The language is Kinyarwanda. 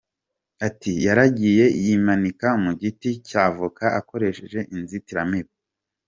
Ati “Yaragiye yimanika mu giti cya avoka akoresheje inzitiramibu.